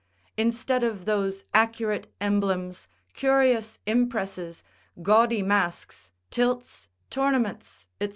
Instead of those accurate emblems, curious impresses, gaudy masques, tilts, tournaments, &c.